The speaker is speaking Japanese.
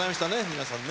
皆さんね。